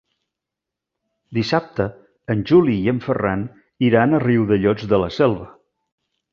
Dissabte en Juli i en Ferran iran a Riudellots de la Selva.